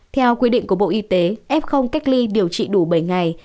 theo quy định của bộ y tế f cách ly điều trị đủ bảy ngày